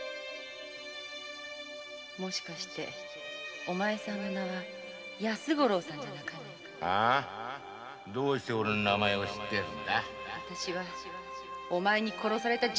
もしかしてお前さんの名は安五郎さんどうしておれの名前を知ってるんだ？